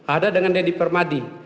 ada dengan deddy permadi